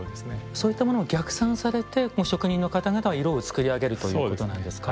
そういったものを逆算されて職人の方々は色を作り上げるということなんですか。